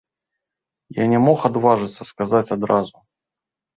Я не мог адважыцца, сказаць адразу.